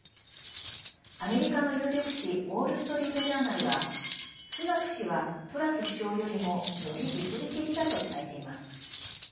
アメリカの有力紙ウォール・ストリート・ジャーナルはスナク氏はトラス首相よりもより実利的だと伝えています。